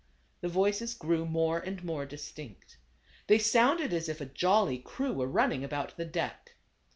The voices grew more and more distinct. They sounded as if a jolly crew were running about the deck.